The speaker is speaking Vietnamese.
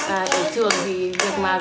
ở trường thì việc mà